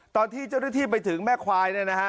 ตอนที่เจ้าหน้าที่ไปถึงแม่ควายเนี่ยนะฮะ